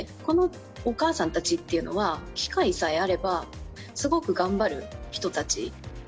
このお母さんたちっていうのは機会さえあればすごく頑張る人たち。